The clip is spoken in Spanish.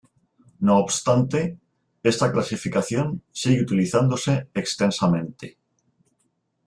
No obstante, esta clasificación sigue utilizándose extensamente.